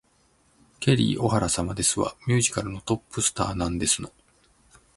ケリー・オハラ様ですわ。ミュージカルのトップスターなんですの